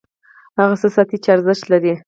هغه څه ساتي چې ارزښت لري.